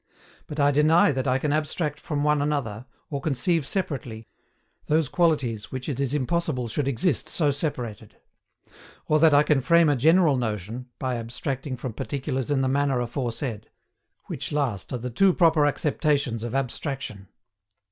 But I deny that I can abstract from one another, or conceive separately, those qualities which it is impossible should exist so separated; or that I can frame a general notion, by abstracting from particulars in the manner aforesaid which last are the two proper acceptations of ABSTRACTION.